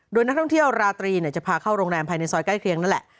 โดยนักท่องเที่ยวราตรีจะพาเข้าโรงแรมภายในซอยใกล้เคียงนั่นแหละ